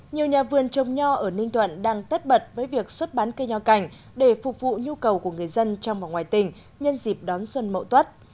nhiều nhà vườn trồng nho ở ninh thuận đang tất bật với việc xuất bán cây nho cảnh để phục vụ nhu cầu của người dân trong và ngoài tỉnh nhân dịp đón xuân mậu tuất